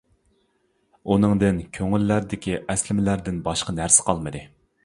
ئۇنىڭدىن كۆڭۈللەردىكى ئەسلىمىلەردىن باشقا نەرسە قالمىدى.